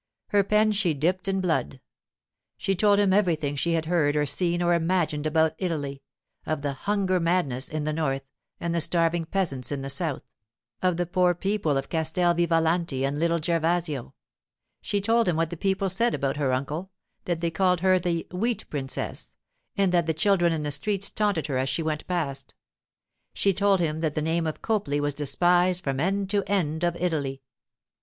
Her pen she dipped in blood. She told him everything she had heard or seen or imagined about Italy—of the 'hunger madness' in the north and the starving peasants in the south; of the poor people of Castel Vivalanti and little Gervasio. She told him what the people said about her uncle; that they called her the 'Wheat Princess'; and that the children in the streets taunted her as she went past. She told him that the name of Copley was despised from end to end of Italy.